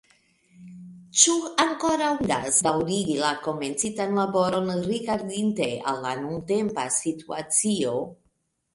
Ĉu ankoraŭ indas daŭrigi la komencitan laboron rigardinte al la nuntempa situacio?